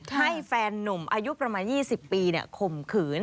ให้แฟนนุ่มอายุประมาณ๒๐ปีข่มขืน